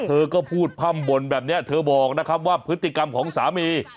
เธอก็พูดพร่ำบ่นแบบนี้เธอบอกนะครับว่าพฤติกรรมของสามี